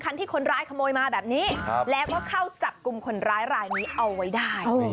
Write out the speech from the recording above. ที่คนร้ายขโมยมาแบบนี้แล้วก็เข้าจับกลุ่มคนร้ายรายนี้เอาไว้ได้